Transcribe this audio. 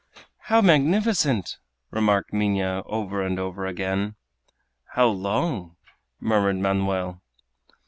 "How magnificent!" remarked Minha, over and over again. "How long!" murmured Manoel.